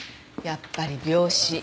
やっぱり病死。